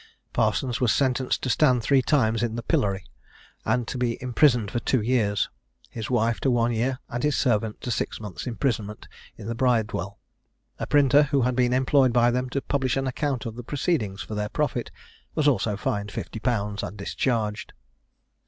Parsons was sentenced to stand three times in the pillory, and to be imprisoned for two years: his wife to one year's, and his servant to six months' imprisonment in the Bridewell. A printer, who had been employed by them to publish an account of the proceedings for their profit, was also fined fifty pounds, and discharged.